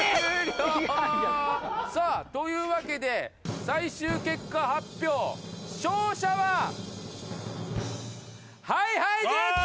さあというわけで最終結果発表勝者は。ＨｉＨｉＪｅｔｓ！